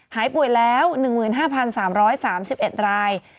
หายป่วยแล้ว๑๕๓๓๑ราย